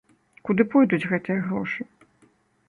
Куды пойдуць гэтыя грошы?